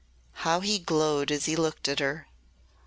How he glowed as he looked at her!